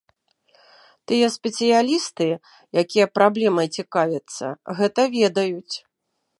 Тыя спецыялісты, якія праблемай цікавяцца, гэта ведаюць.